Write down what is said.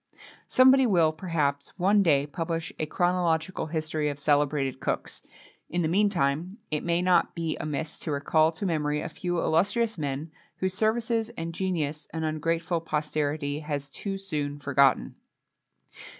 Somebody will, perhaps, one day publish a chronological history of celebrated cooks. In the meantime, it may not be amiss to recall to memory a few illustrious men, whose services and genius an ungrateful posterity has too soon forgotten.